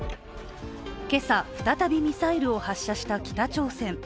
今朝、再びミサイルを発射した北朝鮮。